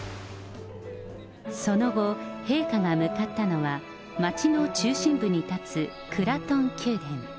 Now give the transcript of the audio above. その後、陛下が向かったのは、街の中心部に建つクラトン宮殿。